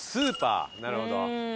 なるほど。